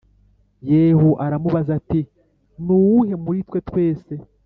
Yehu aramubaza ati Ni uwuhe muri twe twese